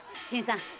新さん。